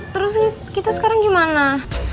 terus kita sekarang gimana